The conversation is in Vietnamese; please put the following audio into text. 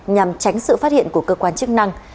nhằm tránh sự phát hiện của cơ quan chức năng